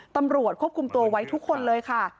ตำรวจควบคุมตัวไว้ทุกคนเลยค่ะ